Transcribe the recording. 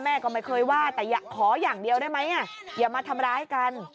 แม่ก็ไม่เคยว่าแต่ขออย่างเดียวได้ไหมอย่ามาทำร้ายกัน